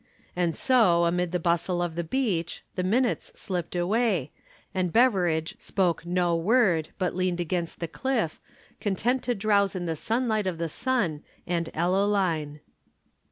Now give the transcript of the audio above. And so, amid the bustle of the beach, the minutes slipped away, and Beveridge spoke no word but leaned against the cliff, content to drowse in the light of the sun and Ellaline.